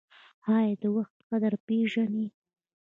ایا د وخت قدر پیژنئ؟